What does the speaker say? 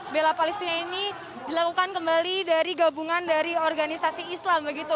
bela palestina ini dilakukan kembali dari gabungan dari organisasi islam begitu